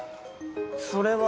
それは。